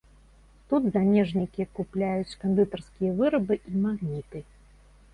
Тут замежнікі купляюць кандытарскія вырабы і магніты.